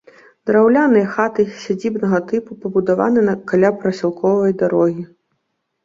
Драўляныя хаты сядзібнага тыпу пабудаваны каля прасёлкавай дарогі.